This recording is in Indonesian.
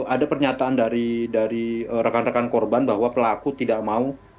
ada pernyataan dari rekan rekan korban bahwa pelaku tidak mau